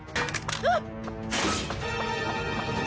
あっ！